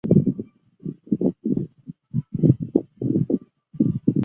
现在这座建筑物已改为香港茶具文物馆。